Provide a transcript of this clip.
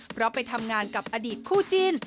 เพราะไปทำงานกับอดีตคู่จิ้น